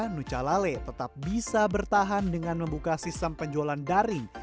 nucalale tetap bisa bertahan dengan membuka sistem penjualan daring